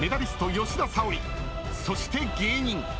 吉田沙保里そして芸人］